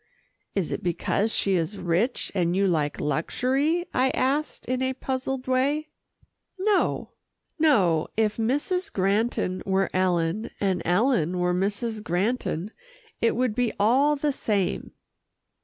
"Is it because she is rich, and you like luxury?" I asked in a puzzled way. "No, no. If Mrs. Granton were Ellen, and Ellen were Mrs. Granton, it would be all the same."